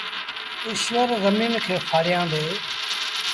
ايٚشور زميݩ کي ڦآڙيآندي۔